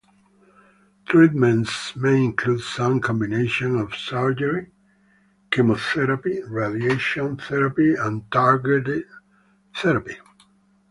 Treatments may include some combination of surgery, chemotherapy, radiation therapy, and targeted therapy.